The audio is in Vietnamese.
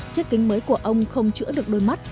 chiếc kính mới của ông không chữa được đôi mắt